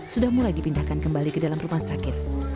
sudah mulai dipindahkan kembali ke dalam rumah sakit